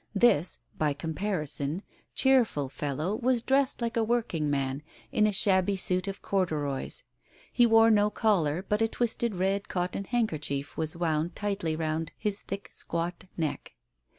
This — by com parison — cheerful fellow was dressed like a working man, in a shabby suit of corduroys. He wore no collar, but a twisted red cotton handkerchief was wound tightly round his thick squat neck.